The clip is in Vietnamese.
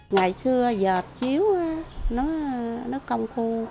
ngày xưa giọt chiếu nó công khu